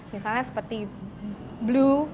misalnya seperti blue